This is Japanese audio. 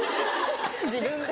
自分で。